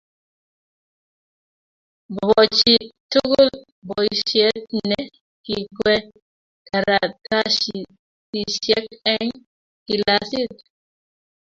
bo chitgulboisiet ne kikwee karatasisiek eng' kilasit